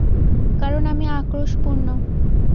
কারন আমি আক্রোশপূর্ণ।